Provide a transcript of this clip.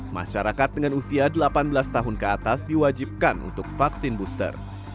masyarakat dengan usia delapan belas tahun ke atas diwajibkan untuk vaksin booster